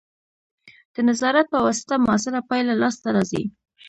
د نظارت په واسطه مؤثره پایله لاسته راځي.